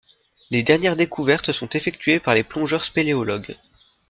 Les dernières découvertes sont effectuées par les plongeurs spéléologues.